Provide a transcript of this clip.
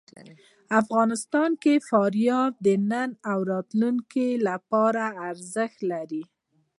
افغانستان کې فاریاب د نن او راتلونکي لپاره ارزښت لري.